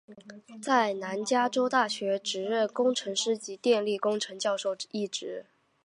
在南加州大学任职工程师及电力工程教授一职。